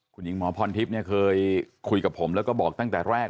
คุณหญิงหมอพรทิพย์เนี่ยเคยคุยกับผมแล้วก็บอกตั้งแต่แรก